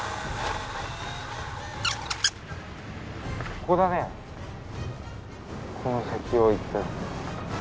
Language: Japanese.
ここだねこの先を行った。